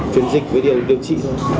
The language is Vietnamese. chuyển dịch với điều trị thôi